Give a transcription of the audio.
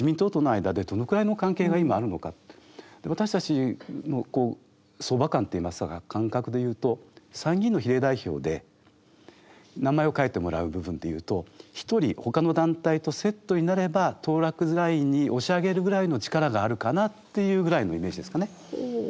例えば私たちの相場観っていいますか感覚で言うと参議院の比例代表で名前を書いてもらう部分で言うと１人ほかの団体とセットになれば当落ラインに押し上げるぐらいの力があるかなっていうぐらいのイメージですかね。